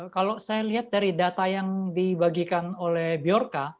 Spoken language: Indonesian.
kalau saya lihat dari data yang dibagikan oleh bjorka